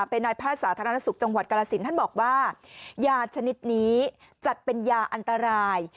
เป็นนายแพทย์สาธารณสุขจังหวัดกรสินท่านบอกว่ายาชนิดนี้จัดเป็นยาอันตราย